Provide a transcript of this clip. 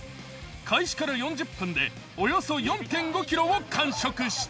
開始から４０分でおよそ４．５ｋｇを完食した。